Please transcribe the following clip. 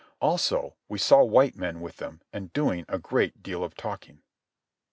Also, we saw white men with them and doing a great deal of talking.